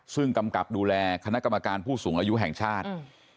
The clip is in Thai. ซึ่งกำกับดูแลคณะกรรมการผู้สูงอายุแห่งชาติ